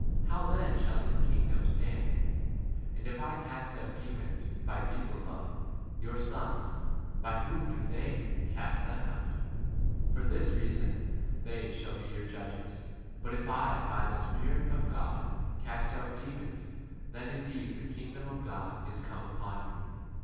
How then shall his king 2 ? dom stand ? And if I cast out demons by Beelzebub, your sons, by whom do they cast [them] out? For this reason they shall 28 be your judges. But if J by [the] Spirit of God cast out demons, then indeed the kingdom of God 29 is come upon you.